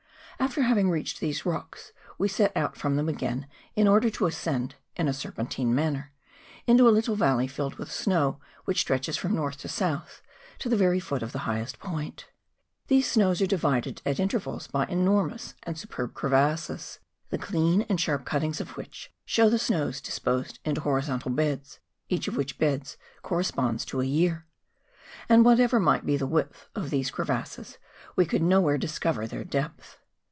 After having reached these rocks we set out from them again in order to ascend, in a serpentine manner, into a little valley filled with snow which stretches from north to south, to the very foot of the highest point. Tliese snows are divided at intervals by enormous and superb crevasses, the clean and sharp cuttings of which show the snows disposed into hori¬ zontal beds, each of which beds corresponds to a year. And whatever might be the width of these crevasses we could nowhere discover their depth.